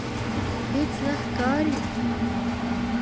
هیڅ نه ښکاري